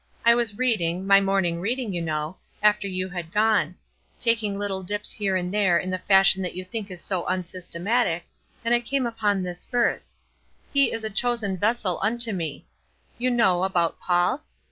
I was reading my morning reading, you know after you had gone; taking little dips here and there in the fashion that you think is so unsystematic, and I came upon this verse: 'He is a chosen vessel unto me,' you know, about Paul?